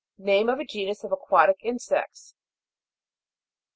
Name of a genus of aquatic insects.